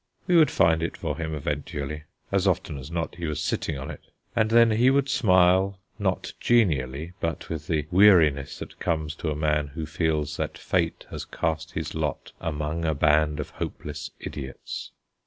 We would find it for him eventually; as often as not he was sitting on it. And then he would smile, not genially, but with the weariness that comes to a man who feels that fate has cast his lot among a band of hopeless idiots.